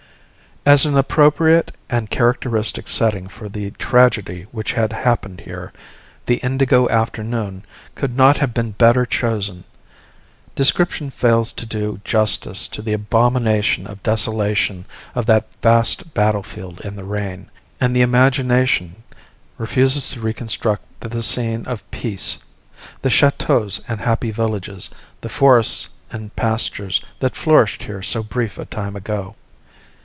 As an appropriate and characteristic setting for the tragedy which had happened here, the indigo afternoon could not have been better chosen. Description fails to do justice to the abomination of desolation of that vast battle field in the rain, and the imagination, refuses to reconstruct the scene of peace the chateaux and happy villages, the forests and pastures, that flourished here so brief a time ago.